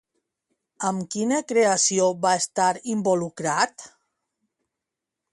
Amb quina creació va estar involucrat?